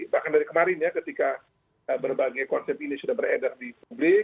bahkan dari kemarin ya ketika berbagai konsep ini sudah beredar di publik